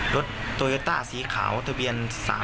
โตโยต้าสีขาวทะเบียน๓๔